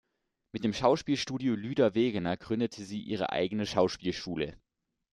Mit dem Schauspielstudio Lyda Wegener gründete sie ihre eigene Schauspielschule.